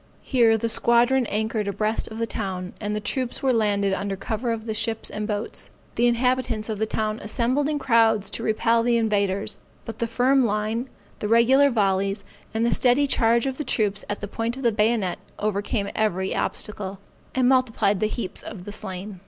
Here the squadron anchored abreast of the town, and the troops were landed under cover of the ships and boats. The inhabitants of the town assembled in crowds to repel the invaders; but the firm line, the regular volleys, and the steady charge of the troops at the point of the bayonet, overcame every obstacle, and multiplied the heaps of the slain.